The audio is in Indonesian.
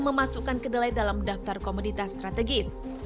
memasukkan kedelai dalam daftar komoditas strategis